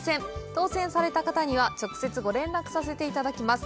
当せんされた方には、直接ご連絡させていただきます。